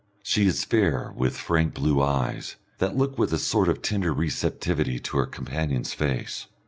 She is fair, with frank blue eyes, that look with a sort of tender receptivity into her companion's face.